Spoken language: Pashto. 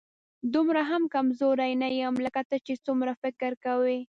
دومره هم کمزوری نه یم، لکه ته چې څومره فکر کوې